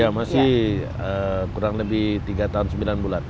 ya masih kurang lebih tiga tahun sembilan bulan